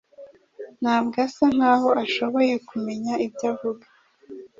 Ntabwo asa nkaho ashoboye kumenya ibyo avuga.